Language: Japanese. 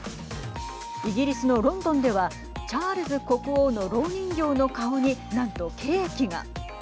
イギリスのロンドンではチャールズ国王のろう人形の顔になんとケーキが。